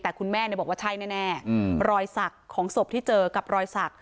แต่คุณแม่บอกว่าใช่แน่รอยสักของศพที่เจอกับรอยสัก